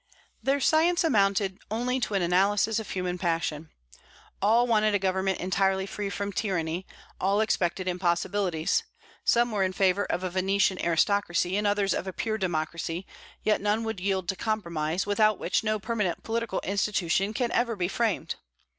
Their science amounted only to an analysis of human passion. All wanted a government entirely free from tyranny; all expected impossibilities. Some were in favor of a Venetian aristocracy, and others of a pure democracy; yet none would yield to compromise, without which no permanent political institution can ever be framed.